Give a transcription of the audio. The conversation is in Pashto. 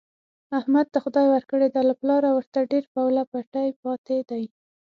احمد ته خدای ورکړې ده، له پلاره ورته ډېر پوله پټی پاتې دی.